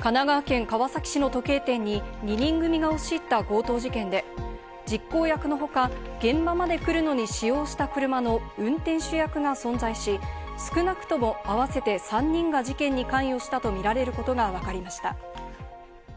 神奈川県川崎市の時計店に、２人組が押し入った強盗事件で、実行役の他、現場まで来るのに使用した車の運転手役が存在し、少なくとも合わせて３人が事件に関与したとみられることがわかりました。